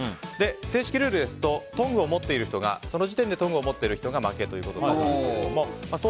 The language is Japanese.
正式ルールですとその時点でトングを持っている人が負けということですがそう